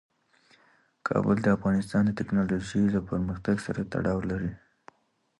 کابل د افغانستان د تکنالوژۍ له پرمختګ سره تړاو لري.